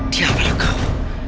dia adalah kau